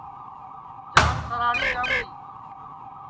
جان سراڑھی جاوں گی